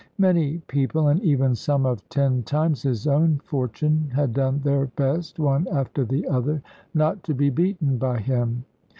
Many people, and even some of ten times his own fortune, had done their best, one after the other, not to be beaten by him.